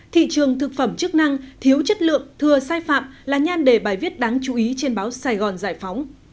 thị trường thực phẩm chức năng thiếu chất lượng thừa sai phạm là nhan đề bài viết đáng chú ý trên báo sài gòn giải phóng